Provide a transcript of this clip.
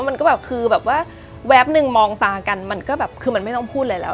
มันก็แบบคือแบบว่าแวบนึงมองตากันมันก็แบบคือมันไม่ต้องพูดอะไรแล้ว